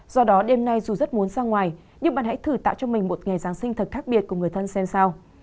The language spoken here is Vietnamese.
do đó đêm nay dù rất muốn ra ngoài nhưng bạn hãy thử tạo cho mình một ngày giáng sinh thật khác biệt của người thân xem sao